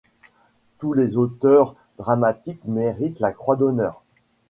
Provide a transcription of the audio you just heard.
Tous les auteurs dramatiques méritent la croix d’honneur.